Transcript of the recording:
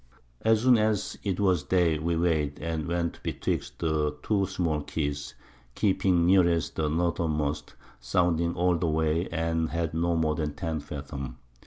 As soon as it was Day we weigh'd, and went betwixt the two small Keys, keeping nearest the Northernmost, sounding all the Way, and had no more than 10 Fathom.